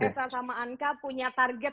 bersama sama anka punya target